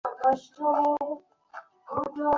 তাহাদের আঁধার ছায়া আঁধার পুষ্করিণীর জলের মধ্যে নিদ্রিত।